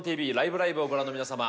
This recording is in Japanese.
ライブ！」をご覧の皆様